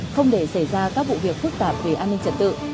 không để xảy ra các vụ việc phức tạp về an ninh trật tự